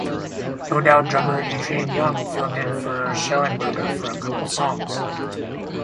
No Doubt drummer Adrian Young filled in for Shellenberger for a couple songs.